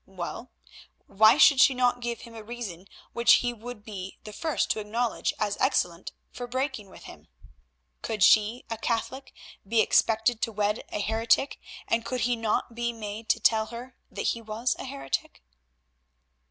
Well, why should she not give him a reason which he would be the first to acknowledge as excellent for breaking with him? Could she, a Catholic, be expected to wed a heretic, and could he not be made to tell her that he was a heretic?